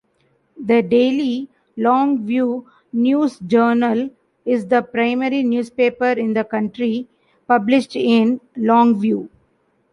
The daily "Longview News-Journal" is the primary newspaper in the county, published in Longview.